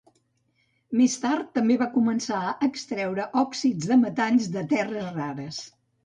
Més tard, també va començar a extreure òxids de metalls de terres rares.